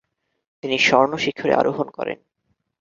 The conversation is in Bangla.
তিনি স্বর্ণশিখরে আরোহণ করেন।